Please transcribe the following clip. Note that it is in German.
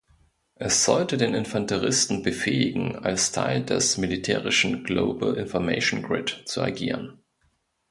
Es sollte den Infanteristen befähigen, als Teil des militärischen Global Information Grid zu agieren.